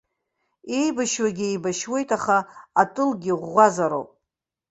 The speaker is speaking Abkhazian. Еибашьуагьы еибашьуеит, аха атылгьы ӷәӷәазароуп.